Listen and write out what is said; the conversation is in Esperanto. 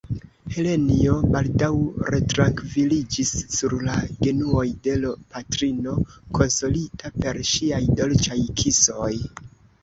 Helenjo baldaŭ retrankviliĝis sur la genuoj de l' patrino, konsolita per ŝiaj dolĉaj kisoj.